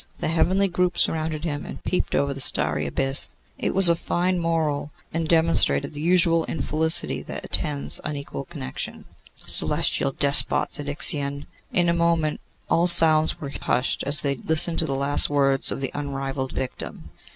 The heavenly group surrounded him, and peeped over the starry abyss. It was a fine moral, and demonstrated the usual infelicity that attends unequal connection. 'Celestial despot!' said Ixion. In a moment all sounds were hushed, as they listened to the last words of the unrivalled victim.